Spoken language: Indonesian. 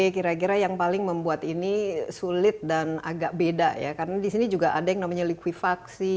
kira kira yang paling membuat ini sulit dan agak beda ya karena di sini juga ada yang namanya likuifaksi